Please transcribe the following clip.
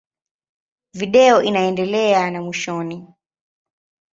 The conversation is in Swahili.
Video inaendelea na mwishoni.